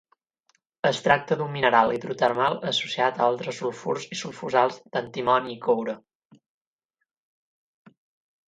Es tracta d'un mineral hidrotermal associat a altres sulfurs i sulfosals d'antimoni i coure.